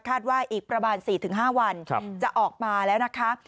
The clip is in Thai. ว่าอีกประมาณ๔๕วันจะออกมาแล้วนะคะ